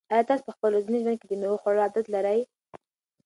آیا تاسو په خپل ورځني ژوند کې د مېوو خوړلو عادت لرئ؟